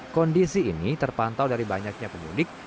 kondisi ini terpantau dari banyaknya pemudik